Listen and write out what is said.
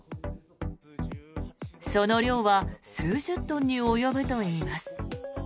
その量は数十トンに及ぶといいます。